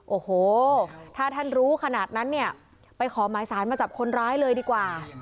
โอ้โหถ้าท่านรู้ขนาดนั้นเนี่ยไปขอหมายสารมาจับคนร้ายเลยดีกว่า